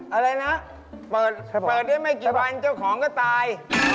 อะไรนะเปิดได้ไม่กี่วันเจ้าของก็ตาย